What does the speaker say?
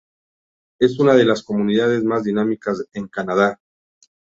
Es una de las comunidades más dinámicas en Canadá.